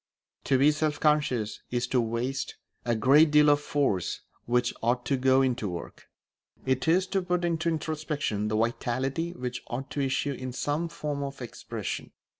To be self conscious is to waste a great deal of force which ought to go into work; it is to put into introspection the vitality which ought to issue in some form of expression.